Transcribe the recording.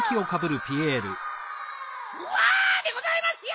わあでございますよ！